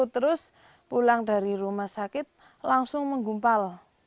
terus pulang dari rumah sakit langsung menggumpal